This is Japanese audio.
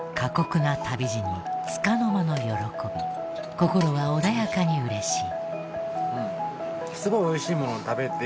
心は穏やかに嬉しい。